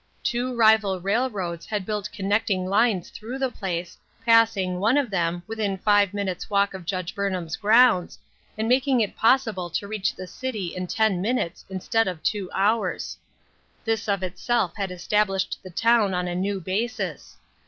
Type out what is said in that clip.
Two rival railroads had built con necting lines through the place, passing, one of them, within five minutes' walk of Judge Burn ham's grounds, and making it possible to reach the city in ten minutes instead of two hours. This of itself had established the town on a new basis.